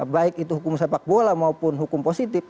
baik itu hukum sepak bola maupun hukum positif